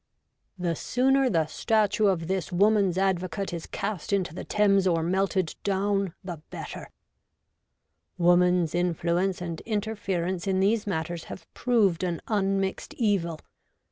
The sooner the statue of this woman's advocate is cast into the Thames, or melted down, the better. Woman's influence and interference in these 6o REVOLTED WOMAN. matters have proved an unmixed evil.